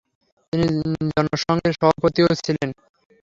তিনি জনসংঘের সভাপতিও ছিলেন।